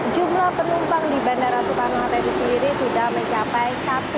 jumlah penumpang di bandara soekarno hatta ini sendiri sudah mencapai satu